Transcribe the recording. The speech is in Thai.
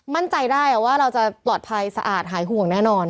มั่นใจได้ว่าเราจะปลอดภัยสะอาดหายห่วงแน่นอน